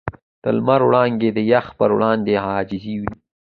د لمر وړانګې د یخ پر وړاندې عاجزې وې.